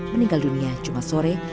meninggal dunia cuma sore